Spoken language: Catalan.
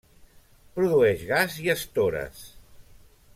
Produeix gas i estores.